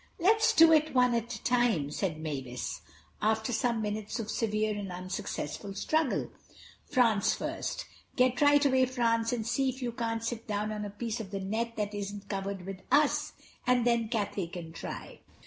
"Let's do it, one at a time," said Mavis, after some minutes of severe and unsuccessful struggle. "France first. Get right away, France, and see if you can't sit down on a piece of the net that isn't covered with us, and then Cathay can try."